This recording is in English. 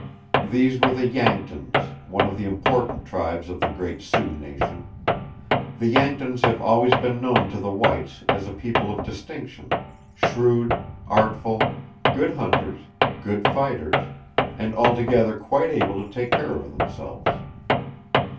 These were the Yanktons, one of the important tribes of the great Sioux nation. The Yanktons have always been known to the whites as a people of distinction, shrewd, artful, good hunters, good fighters, and altogether quite able to take care of themselves.